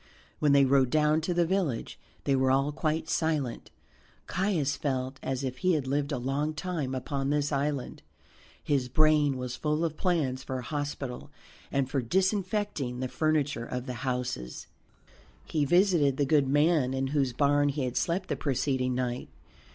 When they rode down to the village they were all quite silent. Caius felt as if he had lived a long time upon this island. His brain was full of plans for a hospital and for disinfecting the furniture of the houses. He visited the good man in whose barn he had slept the preceding night.